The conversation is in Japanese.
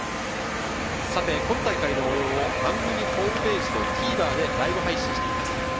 今大会の模様を番組ホームページとＴＶｅｒでライブ配信しています。